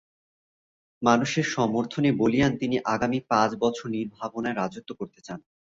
মানুষের সমর্থনে বলীয়ান তিনি আগামী পাঁচ বছর নির্ভাবনায় রাজত্ব করতে চান।